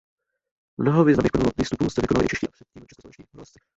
Mnoho významných prvovýstupů zde vykonali i čeští a předtím českoslovenští horolezci.